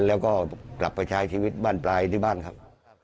แล้วก็กลับไปใช้ชีวิตบ้านปลายที่บ้านครับ